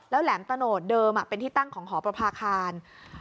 แหลมตะโนดเดิมเป็นที่ตั้งของหอประพาคาร